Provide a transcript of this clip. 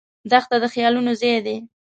دښته د خیالونو ځای دی.